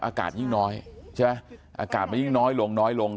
อากาศยิ่งน้อยใช่ไหมอากาศมันยิ่งน้อยลงน้อยลง